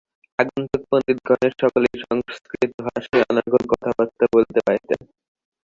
আগন্তুক পণ্ডিতগণের সকলেই সংস্কৃতভাষায় অনর্গল কথাবার্তা বলিতে পারিতেন।